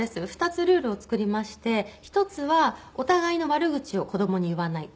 ２つルールを作りまして１つはお互いの悪口を子どもに言わない。